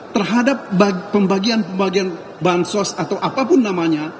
terhadap pembagian pembagian bansos atau apapun namanya